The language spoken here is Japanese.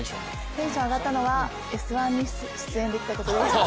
テンション上がったのは「Ｓ☆１」に出演できたことです。